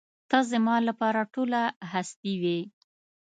ته زما لپاره ټوله هستي وې.